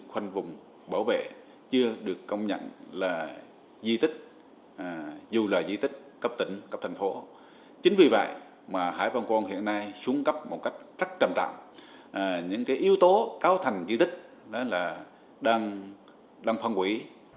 hải vân quan hiện nay xuống cấp một cách rất trầm trạng những yếu tố cao thành di tích đang phân quỷ